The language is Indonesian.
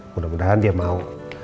mudah mudahan dia mau